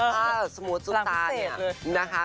ถ้าสมมุติซุปตาเนี่ยนะคะ